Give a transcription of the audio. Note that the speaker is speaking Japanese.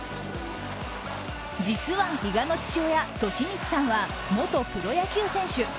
実は、日向野父親・寿光さんは元プロ野球選手。